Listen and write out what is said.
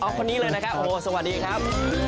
อ๋อเอาคนนี้เลยนะครับโอ้สวัสดีครับ